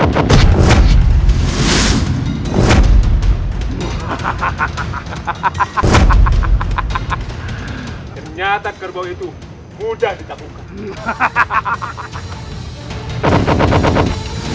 ternyata gerbau itu mudah ditapukan